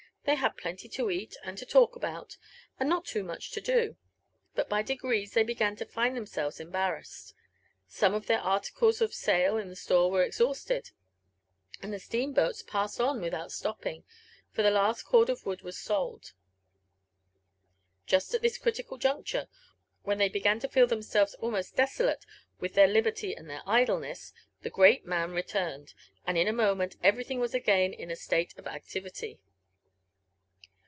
They had plenty to eat, and to talk about, and not too much to do. But by degrees they began to find themselves embarassed. Some of their articles of sale in the store were exhaustedt and the steam boats passed on without stopping, for the last cord of wood was sold. Just at this critical juncture, when they began to feel themselves almost desolate with their liberty and their idleness, the great man returned, and in a moment everything was again in a state of activity.